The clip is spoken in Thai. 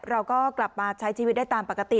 เราก็กลับมาใช้ชีวิตได้ตามปกติ